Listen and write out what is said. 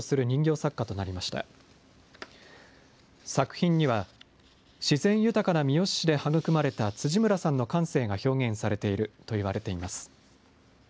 作品には、自然豊かな三次市で育まれた辻村さんの感性が表現されているといわれています。